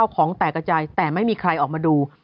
ของแตกกระจายแต่ไม่มีใครออกมาดู